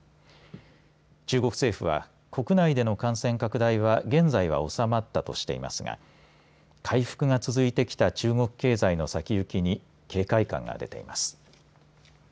中国政府は国内での感染拡大は現在は収まったとしていますが回復が続いてきた中国経済の先行きに警戒感が出ています。